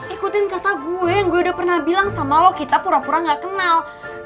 ikutin kata gue yang gue udah pernah bilang sama lo kita pura pura gak kenal